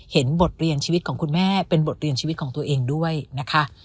บทเรียนชีวิตของคุณแม่เป็นบทเรียนชีวิตของตัวเองด้วยนะคะ